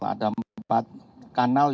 ada empat kanal